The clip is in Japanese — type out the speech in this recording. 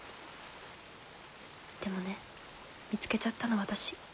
でもね見つけちゃったの私。